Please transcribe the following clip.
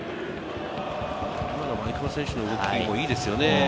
今の毎熊選手の動きもいいですよね。